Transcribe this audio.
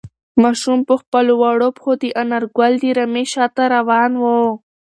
ماشوم په خپلو وړو پښو د انارګل د رمې شاته روان و.